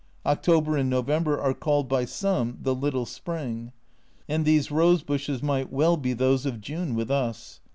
October and November are called by some "the little Spring," and these rose bushes might well be those of June with us.